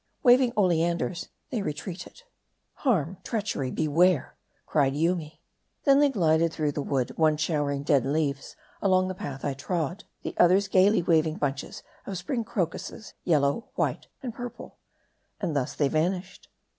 Waving oleanders, they retreated. " Harm ! treachery ! beware !" cried Yoomy. Then they glided through the wood : one showering dead leaves along the path I trod, the others gayly waving bunch es of spring crocuses, yellow, white, and purple ; and thus they vanished.